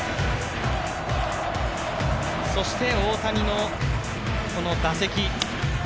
そして大谷のこの打席。